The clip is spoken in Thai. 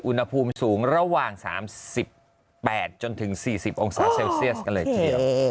อุณหภูมิสูงระหว่าง๓๘จนถึง๔๐องศาเซลเซียสกันเลยทีเดียว